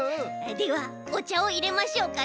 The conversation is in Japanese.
ではおちゃをいれましょうかね。